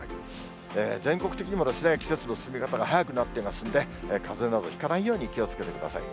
全国的にも、季節の進み方が早くなっていますんで、かぜなどひかないように気をつけてください。